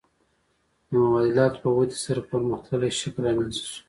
د مبادلاتو په ودې سره پرمختللی شکل رامنځته شو